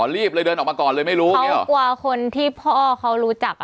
รีบเลยเดินออกมาก่อนเลยไม่รู้เขากลัวคนที่พ่อเขารู้จักอ่ะ